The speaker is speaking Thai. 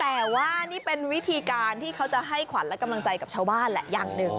แต่ว่านี่เป็นวิธีการที่เขาจะให้ขวัญและกำลังใจกับชาวบ้านแหละอย่างหนึ่ง